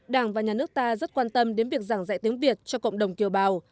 đảng và nhà nước ta rất quan tâm đến việc giảng dạy tiếng việt cho cộng đồng kiều bào